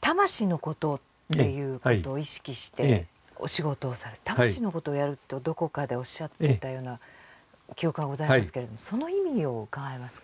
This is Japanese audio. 魂のことっていうことを意識してお仕事をされる魂のことをやるってどこかでおっしゃっていたような記憶がございますけれどもその意味を伺えますか？